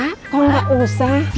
kok gak usah